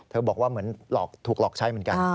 บอกว่าเหมือนถูกหลอกใช้เหมือนกัน